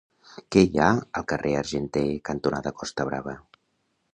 Què hi ha al carrer Argenter cantonada Costa Brava?